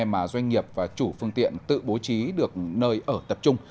mà doanh nghiệp và chủ phương tiện tự bố trí được nơi ở tập trung